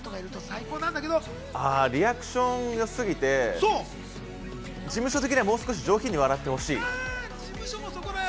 リアクションん良すぎて事務所的にはもう少し上品に笑ってほしい。